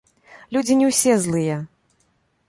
Людзі не ўсе злыя.